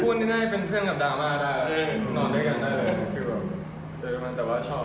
พูดได้เป็นเพื่อนกับดาร์มานอนด้วยกันได้แต่ว่าชอบ